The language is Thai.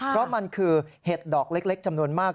เพราะมันคือเห็ดดอกเล็กจำนวนมาก